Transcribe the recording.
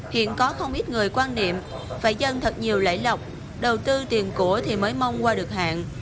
hiện có không ít người quan niệm phải dân thật nhiều lễ lọc đầu tư tiền của thì mới mong qua được hạn